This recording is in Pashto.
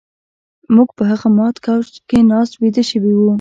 موږ په هغه مات کوچ کې ناست ویده شوي وو